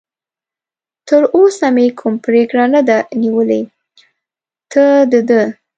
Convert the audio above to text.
تراوسه مې کوم پرېکړه نه ده نیولې، ته د ده.